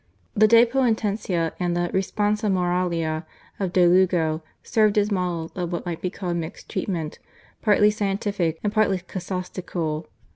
The /De Poenitentia/ and the /Responsa Moralia/ of De Lugo served as models of what might be called mixed treatment, partly scientific and partly casuistical.